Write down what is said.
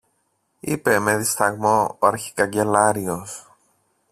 είπε με δισταγμό ο αρχικαγκελάριος.